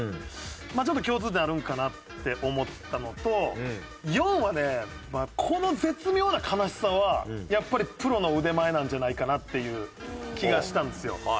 まあちょっと共通点あるんかなって思ったのと４はねまあこの絶妙な悲しさはやっぱりプロの腕前なんじゃないかなっていう気がしたんですよ。